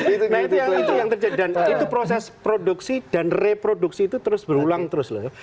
nah itu yang terjadi dan itu proses produksi dan reproduksi itu terus berulang terus loh